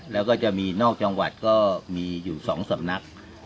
แล้วก็จะมีนอกจังหวัดก็มีอยู่๒สำนัก